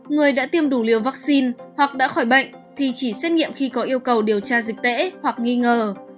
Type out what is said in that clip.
người đã tiêm đủ liều vaccine hoặc đã khỏi bệnh thì chỉ xét nghiệm khi có yêu cầu điều tra dịch tễ hoặc nghi ngờ